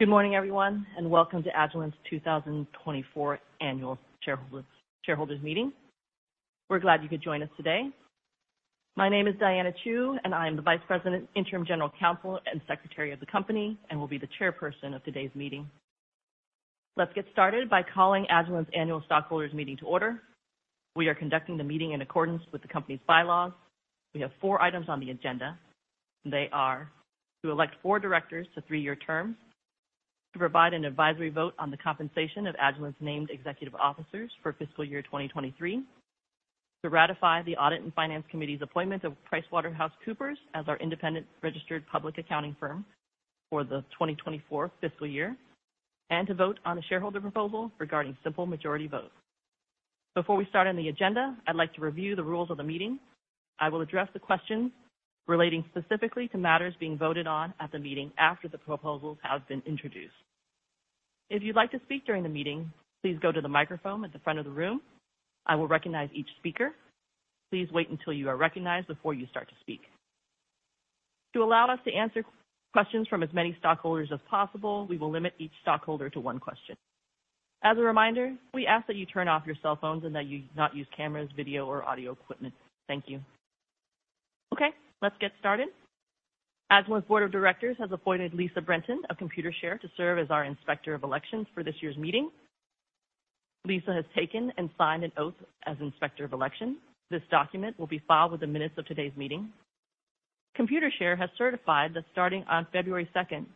Good morning, everyone, and welcome to Agilent's 2024 Annual Shareholders Meeting. We're glad you could join us today. My name is Diana Chiu, and I am the Vice President, Interim General Counsel, and Secretary of the Company, and will be the chairperson of today's meeting. Let's get started by calling Agilent's Annual Stockholders Meeting to order. We are conducting the meeting in accordance with the company's bylaws. We have four items on the agenda, and they are: to elect four directors to three-year terms, to provide an advisory vote on the compensation of Agilent's named executive officers for fiscal year 2023, to ratify the Audit and Finance Committee's appointment of PricewaterhouseCoopers as our independent registered public accounting firm for the 2024 fiscal year, and to vote on a shareholder proposal regarding simple majority vote. Before we start on the agenda, I'd like to review the rules of the meeting. I will address the questions relating specifically to matters being voted on at the meeting after the proposals have been introduced. If you'd like to speak during the meeting, please go to the microphone at the front of the room. I will recognize each speaker. Please wait until you are recognized before you start to speak. To allow us to answer questions from as many stockholders as possible, we will limit each stockholder to one question. As a reminder, we ask that you turn off your cell phones and that you do not use cameras, video, or audio equipment. Thank you. Okay, let's get started. Agilent's Board of Directors has appointed Lisa Brenten of Computershare to serve as our Inspector of Elections for this year's meeting. Lisa has taken and signed an oath as Inspector of Election. This document will be filed with the minutes of today's meeting. Computershare has certified that starting on February 2nd,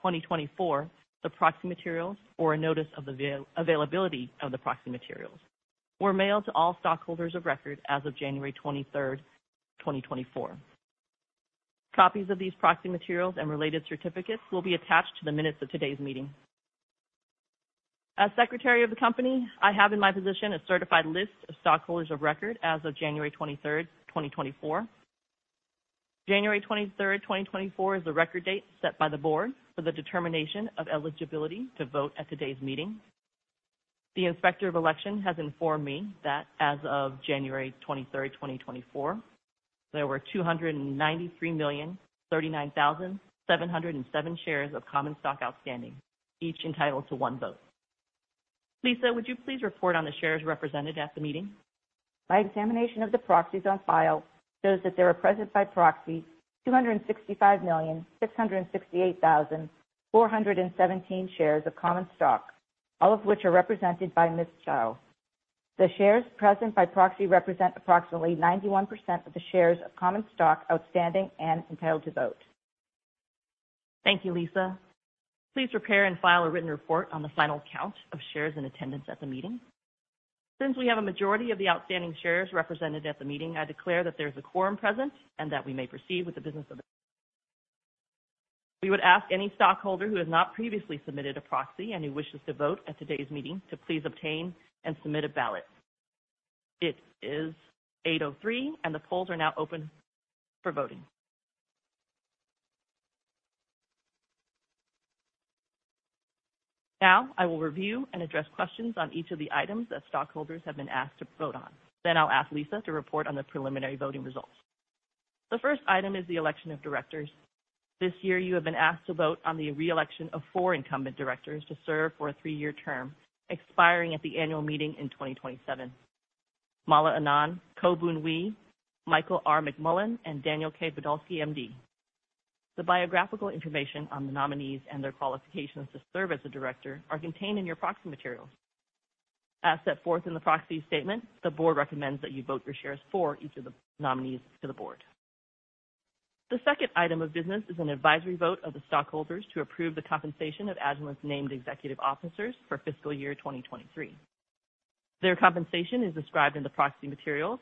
2024, the proxy materials, or a notice of the availability of the proxy materials, were mailed to all stockholders of record as of January 23rd, 2024. Copies of these proxy materials and related certificates will be attached to the minutes of today's meeting. As Secretary of the Company, I have in my possession a certified list of stockholders of record as of January 23rd, 2024. January 23rd, 2024, is the record date set by the Board for the determination of eligibility to vote at today's meeting. The Inspector of Election has informed me that as of January 23rd, 2024, there were 293,039,707 shares of common stock outstanding, each entitled to one vote. Lisa, would you please report on the shares represented at the meeting? My examination of the proxies on file shows that there are present by proxy 265,668,417 shares of common stock, all of which are represented by Ms. Chiu. The shares present by proxy represent approximately 91% of the shares of common stock outstanding and entitled to vote. Thank you, Lisa. Please prepare and file a written report on the final count of shares in attendance at the meeting. Since we have a majority of the outstanding shares represented at the meeting, I declare that there is a quorum present and that we may proceed with the business of the meeting. We would ask any stockholder who has not previously submitted a proxy and who wishes to vote at today's meeting to please obtain and submit a ballot. It is 8:03 A.M. and the polls are now open for voting. Now I will review and address questions on each of the items that stockholders have been asked to vote on. I'll ask Lisa to report on the preliminary voting results. The first item is the election of directors. This year, you have been asked to vote on the reelection of four incumbent directors to serve for a three-year term expiring at the annual meeting in 2027: Mala Anand, Koh Boon Hwee, Michael R. McMullen, and Daniel K. Podolsky, M.D. The biographical information on the nominees and their qualifications to serve as a director are contained in your proxy materials. As set forth in the proxy statement, the board recommends that you vote your shares for each of the nominees to the board. The second item of business is an advisory vote of the stockholders to approve the compensation of Agilent's named executive officers for fiscal year 2023. Their compensation is described in the proxy materials.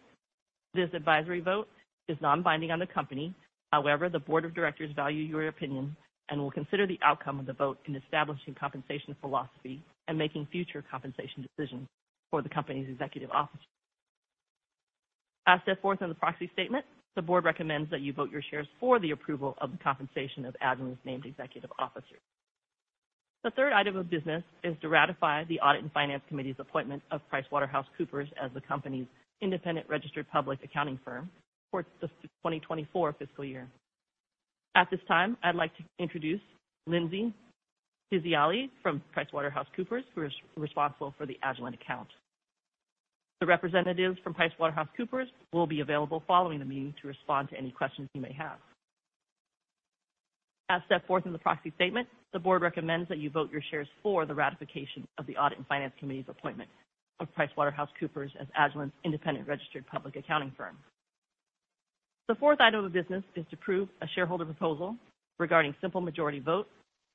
This advisory vote is non-binding on the company; however, the Board of Directors values your opinion and will consider the outcome of the vote in establishing compensation philosophy and making future compensation decisions for the company's executive officers. As set forth in the proxy statement, the board recommends that you vote your shares for the approval of the compensation of Agilent's named executive officers. The third item of business is to ratify the Audit and Finance Committee's appointment of PricewaterhouseCoopers as the company's independent registered public accounting firm for the 2024 fiscal year. At this time, I'd like to introduce Lindsey Piziali from PricewaterhouseCoopers, who is responsible for the Agilent account. The representatives from PricewaterhouseCoopers will be available following the meeting to respond to any questions you may have. As set forth in the proxy statement, the board recommends that you vote your shares for the ratification of the Audit and Finance Committee's appointment of PricewaterhouseCoopers as Agilent's independent registered public accounting firm. The fourth item of business is to approve a shareholder proposal regarding simple majority vote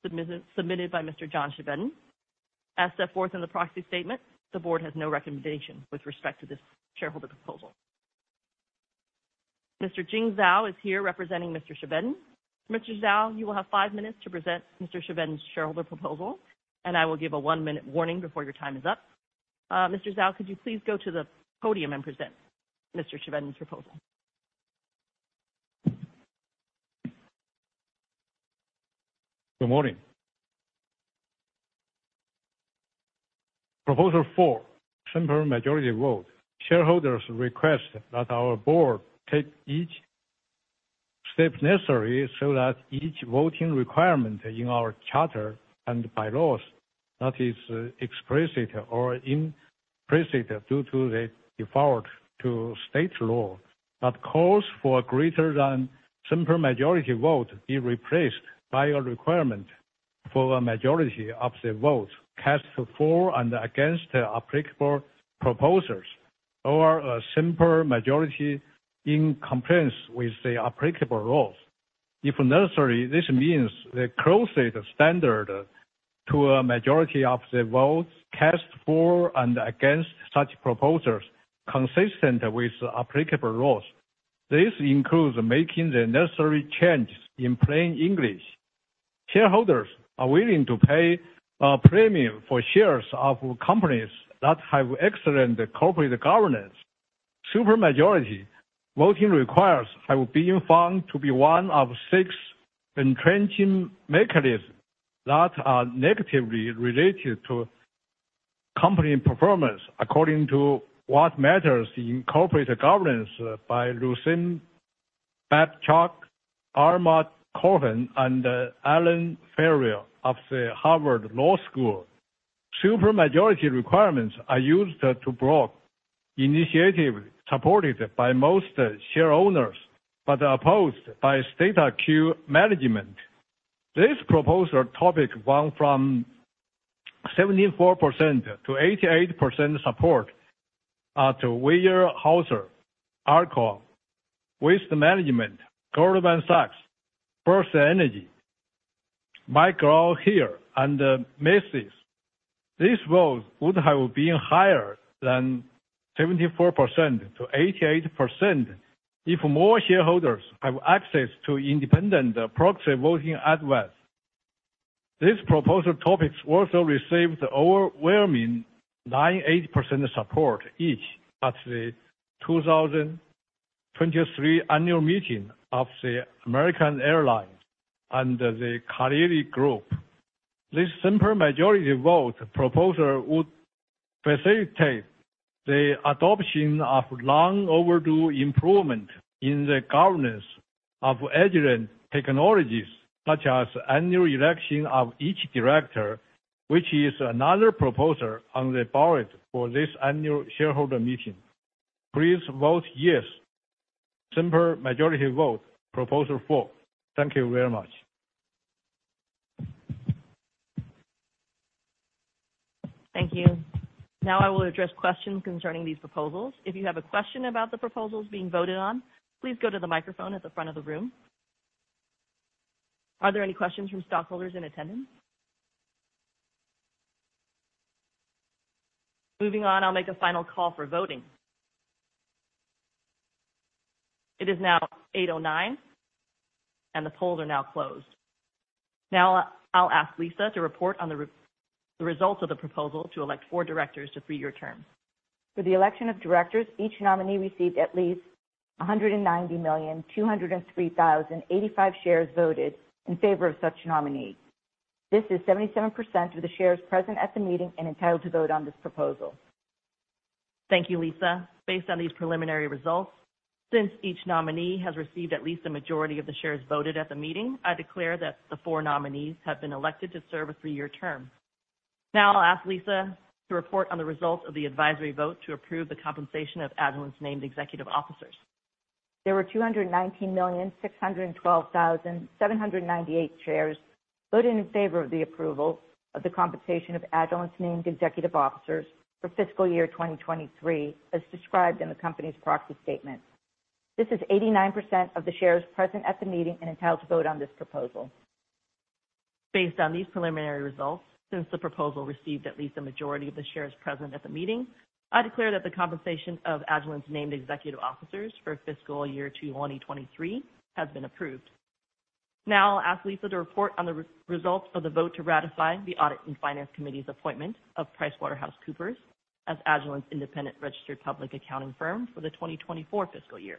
submitted by Mr. John Chevedden. As set forth in the proxy statement, the board has no recommendation with respect to this shareholder proposal. Mr. Jing Zhao is here representing Mr. Chevedden. Mr. Zhao, you will have five minutes to present Mr. Chevedden's shareholder proposal, and I will give a one-minute warning before your time is up. Mr. Zhao, could you please go to the podium and present Mr. Chevedden's proposal? Good morning. Proposal four, simple majority vote. Shareholders request that our board take each step necessary so that each voting requirement in our charter and bylaws that is explicit or implicit due to the default to state law that calls for a greater than simple majority vote be replaced by a requirement for a majority of the votes cast for and against applicable proposals or a simple majority in compliance with the applicable laws. If necessary, this means the closest standard to a majority of the votes cast for and against such proposals consistent with applicable laws. This includes making the necessary changes in plain English. Shareholders are willing to pay a premium for shares of companies that have excellent corporate governance. Supermajority voting requirements have been found to be one of six entrenching mechanisms that are negatively related to company performance according to What Matters in Corporate Governance by Lucian Bebchuk, Alma Cohen, and Allen Ferrell of the Harvard Law School. Supermajority requirements are used to block initiatives supported by most shareholders but opposed by status-quo management. This proposal topic went from 74% to 88% support at Weyerhaeuser, ALCOA, Waste Management, Goldman Sachs, FirstEnergy, Microchip, and Macy's. This vote would have been higher than 74% to 88% if more shareholders had access to independent proxy voting advice. This proposal topic also received overwhelming 98% support each at the 2023 annual meeting of American Airlines and The Carlyle Group. This simple majority vote proposal would facilitate the adoption of long-overdue improvement in the governance of Agilent Technologies, such as annual election of each director, which is another proposal on the board for this annual shareholder meeting. Please vote yes, simple majority vote proposal four. Thank you very much. Thank you. Now I will address questions concerning these proposals. If you have a question about the proposals being voted on, please go to the microphone at the front of the room. Are there any questions from stockholders in attendance? Moving on, I'll make a final call for voting. It is now 8:09 A.M. and the polls are now closed. Now I'll ask Lisa to report on the results of the proposal to elect four directors to three-year terms. For the election of directors, each nominee received at least 190,203,085 shares voted in favor of such nominees. This is 77% of the shares present at the meeting and entitled to vote on this proposal. Thank you, Lisa. Based on these preliminary results, since each nominee has received at least a majority of the shares voted at the meeting, I declare that the four nominees have been elected to serve a three-year term. Now I'll ask Lisa to report on the results of the advisory vote to approve the compensation of Agilent's named executive officers. There were 219,612,798 shares voted in favor of the approval of the compensation of Agilent's named executive officers for fiscal year 2023, as described in the company's proxy statement. This is 89% of the shares present at the meeting and entitled to vote on this proposal. Based on these preliminary results, since the proposal received at least a majority of the shares present at the meeting, I declare that the compensation of Agilent's named executive officers for fiscal year 2023 has been approved. Now I'll ask Lisa to report on the results of the vote to ratify the Audit and Finance Committee's appointment of PricewaterhouseCoopers as Agilent's independent registered public accounting firm for the 2024 fiscal year.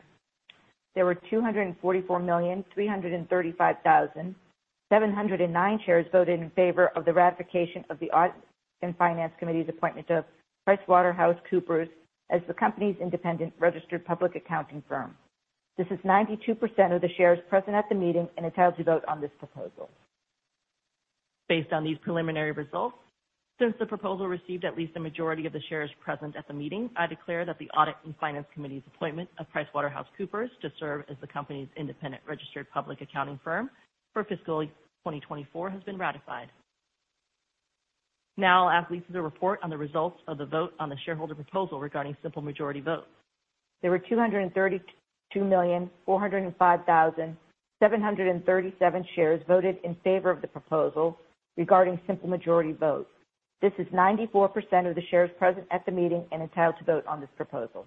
There were 244,335,709 shares voted in favor of the ratification of the Audit and Finance Committee's appointment of PricewaterhouseCoopers as the company's independent registered public accounting firm. This is 92% of the shares present at the meeting and entitled to vote on this proposal. Based on these preliminary results, since the proposal received at least a majority of the shares present at the meeting, I declare that the Audit and Finance Committee's appointment of PricewaterhouseCoopers to serve as the company's independent registered public accounting firm for fiscal year 2024 has been ratified. Now I'll ask Lisa to report on the results of the vote on the shareholder proposal regarding simple majority vote. There were 232,405,737 shares voted in favor of the proposal regarding simple majority vote. This is 94% of the shares present at the meeting and entitled to vote on this proposal.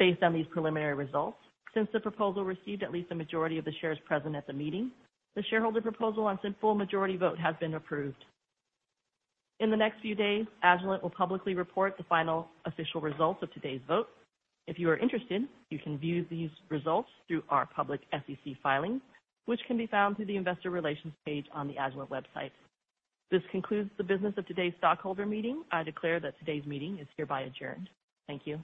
Based on these preliminary results, since the proposal received at least a majority of the shares present at the meeting, the shareholder proposal on simple majority vote has been approved. In the next few days, Agilent will publicly report the final official results of today's vote. If you are interested, you can view these results through our public SEC filing, which can be found through the investor relations page on the Agilent website. This concludes the business of today's stockholder meeting. I declare that today's meeting is hereby adjourned. Thank you.